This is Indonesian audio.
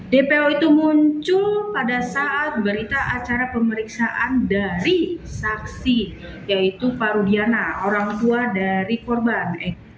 dpo itu muncul pada saat berita acara pemeriksaan dari saksi yaitu farudiana orang tua dari korban